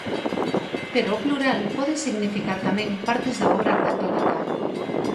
Pero o plural pode significar tamén partes da obra platónica.